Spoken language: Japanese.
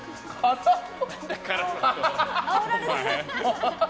あおられてる。